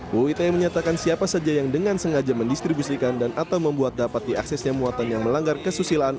bu it menyatakan siapa saja yang dengan sengaja mendistribusikan dan atau membuat dapat diaksesnya muatan yang melanggar kesusilaan